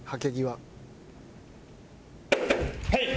はい。